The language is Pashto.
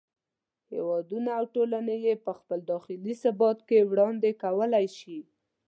هېوادونه او ټولنې یې په خپل داخلي ثبات کې وړاندې کولای شي.